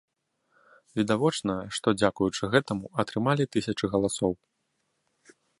Відавочна, што, дзякуючы гэтаму, атрымалі тысячы галасоў.